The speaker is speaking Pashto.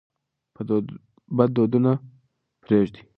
بد دودونه پرېږدئ.